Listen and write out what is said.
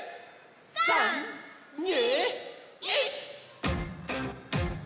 ３２１！